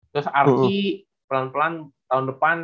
terus arti pelan pelan tahun depan